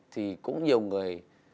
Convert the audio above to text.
thì cũng nhiều người